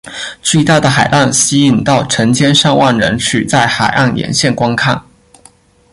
巨大的海浪吸引到成千上万人取在海岸沿线观看。